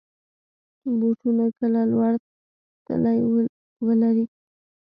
بوټونه کله لوړ تلي ولري.